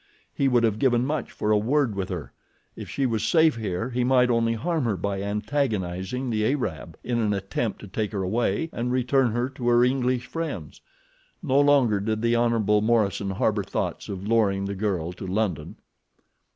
He would have given much for a word with her. If she was safe here he might only harm her by antagonizing the Arab in an attempt to take her away and return her to her English friends. No longer did the Hon. Morison harbor thoughts of luring the girl to London.